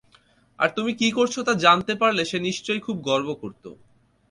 আর তুমি কী করছ তা জানতে পারলে সে নিশ্চয়ই খুব গর্ব করতো।